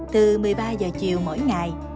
từ một mươi ba h chiều mỗi ngày